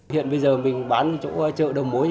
hiện bây giờ mình bán chỗ chợ đầu mối